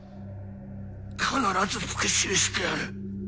必ず復しゅうしてやる。